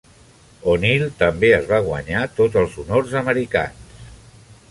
O"Neil també es va guanyar tots els honors americans.